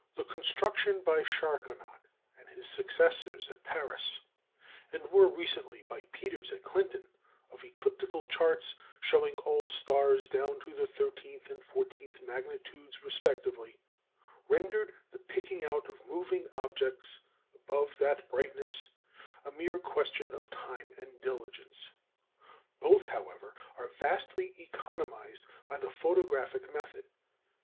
The construction by Chacornac and his successors at Paris, and more recently by Peters at Clinton, of ecliptical charts showing all stars down to the thirteenth and fourteenth magnitudes respectively, rendered the picking out of moving objects above that brightness a mere question of time and diligence. Both, however, are vastly economised by the photographic method.